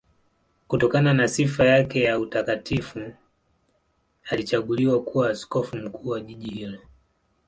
Kutokana na sifa yake ya utakatifu alichaguliwa kuwa askofu mkuu wa jiji hilo.